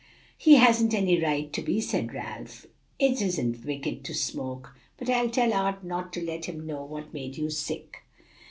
"He hasn't any right to be," said Ralph; "'tisn't wicked to smoke. But I'll tell Art not to let him know what made you sick."